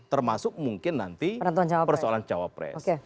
termasuk mungkin nanti persoalan cawa press